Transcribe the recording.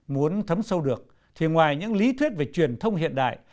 muốn thấm sâu được thì ngoài những lý thuyết về truyền thông hiện đại